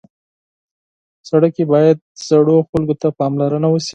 سړک کې باید زړو خلکو ته پاملرنه وشي.